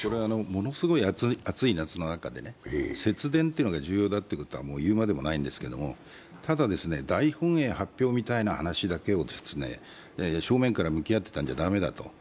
ものすごい暑い夏の中で節電ということが重要なのは言うまでもないんですけども、ただ大本営発表みたいな話だけを正面から向き合ってたんじゃ駄目だと。